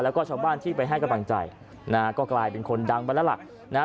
แล้วก็ช่องบ้านที่ไปให้กำลังใจก็กลายเป็นคนดังไปแล้ว